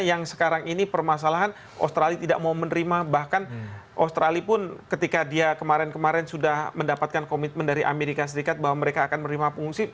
yang sekarang ini permasalahan australia tidak mau menerima bahkan australia pun ketika dia kemarin kemarin sudah mendapatkan komitmen dari amerika serikat bahwa mereka akan menerima pengungsi